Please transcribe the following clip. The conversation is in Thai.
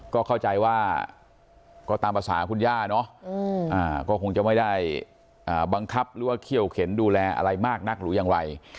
ก็เข้าใจว่าก็ตามภาษาคุณย่าเนาะก็คงจะไม่ได้บังคับหรือว่าเขี้ยวเข็นดูแลอะไรมากนักหรือยังไร